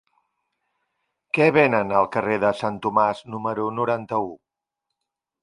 Què venen al carrer de Sant Tomàs número noranta-u?